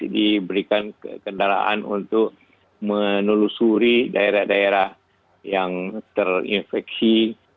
diberikan kendaraan untuk menelusuri daerah daerah yang terinfeksi